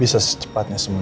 bisa secepatnya sembuh